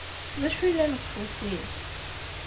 D acu yellan deg ufus-ik?